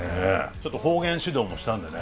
ちょっと方言指導もしたんでね。